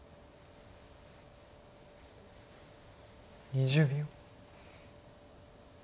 ２０秒。